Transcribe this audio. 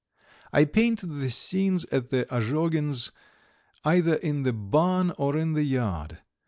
I painted the scenes at the Azhogins' either in the barn or in the yard.